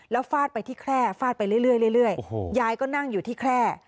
แล้วฟาดไปที่แคร่ฟาดไปเรื่อยยายก็นั่งอยู่ที่แคร่